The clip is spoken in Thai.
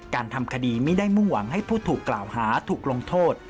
การทำคดีไม่ได้มุ่งหวังให้ผู้ถูกกล่าวหาถูกลงโทษ